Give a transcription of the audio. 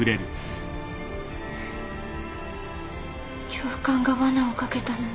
教官がわなをかけたのは。